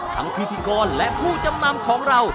พิธีกรและผู้จำนำของเรา